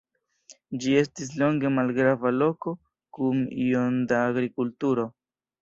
Ĝi estis longe malgrava loko kun iom da agrikulturo.